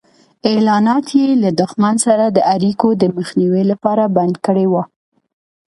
اعلانات یې له دښمن سره د اړیکو د مخنیوي لپاره بند کړي وو.